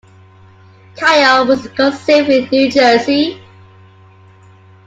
Kyle was conceived in New Jersey.